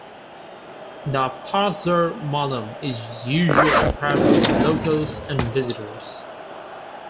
The "pasar malam" is usually crowded with locals and visitors.